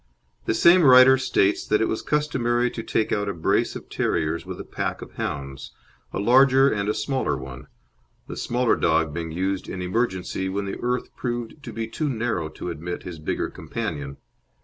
The same writer states that it was customary to take out a brace of terriers with a pack of hounds, a larger and a smaller one, the smaller dog being used in emergency when the earth proved to be too narrow to admit his bigger companion.